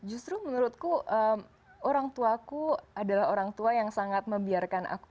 justru menurutku orangtuaku adalah orangtua yang sangat membiarkan aku